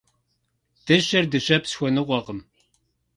Дыщэр дыщэпс хуэныкъуэкъым.